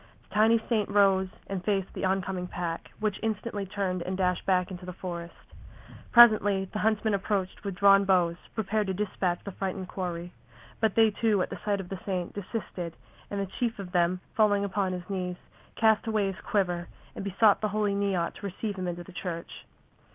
The tiny saint rose and faced the oncoming pack, which instantly turned and dashed back into the forest. Presently the huntsmen approached with drawn bows, prepared to dispatch the frightened quarry. But they too, at the sight of the saint, desisted, and the chief of them, falling upon his knees, cast away his quiver and besought the Holy Neot to receive him into the Church.